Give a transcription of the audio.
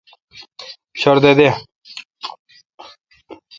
شردہ دے۔